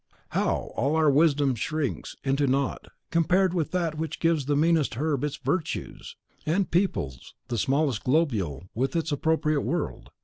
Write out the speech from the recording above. How all our wisdom shrinks into nought, compared with that which gives the meanest herb its virtues, and peoples the smallest globule with its appropriate world.